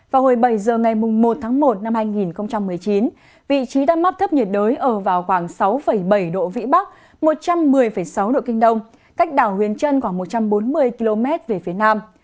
vào hồi bảy giờ ngày một tháng một năm hai nghìn một mươi chín vị trí tâm áp thấp nhiệt đới ở vào khoảng sáu bảy độ vĩ bắc một trăm một mươi sáu độ kinh đông cách đảo huyền trân khoảng một trăm bốn mươi km về phía nam